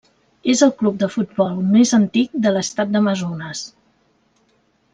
És el club de futbol més antic de l'estat d'Amazones.